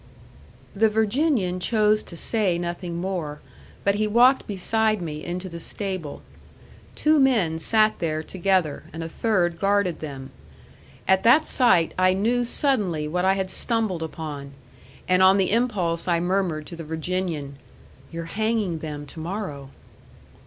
The Virginian chose to say nothing more; but he walked beside me into the stable. Two men sat there together, and a third guarded them. At that sight I knew suddenly what I had stumbled upon; and on the impulse I murmured to the Virginian, "You're hanging them to morrow."